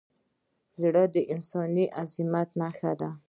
زړه د انساني عظمت نښه ده.